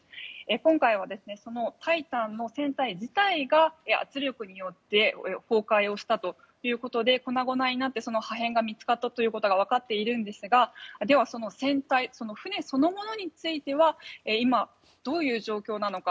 今回はその「タイタン」の船体自体が圧力によって崩壊をしたということで粉々になって、その破片が見つかったということがわかっているんですが船体、船そのものについては今、どういう状況なのか。